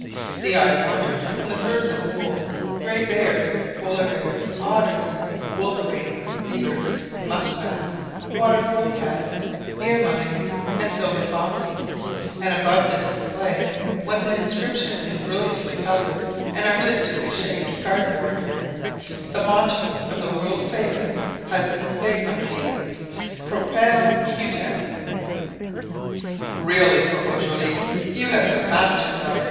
The eye wandered from the furs of wolves, grey bears, polar bears, otters, wolverenes, beavers, muskrats, water pole cats, ermines, and silver foxes; and above this display was an inscription in brilliantly coloured and artistically shaped cardboard—the motto of the world famous Hudson's Bay Company— "PROPELLE CUTUM." "Really, Corporal Joliffe, you have surpassed yourself